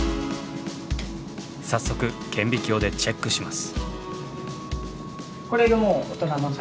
早速顕微鏡でチェックします。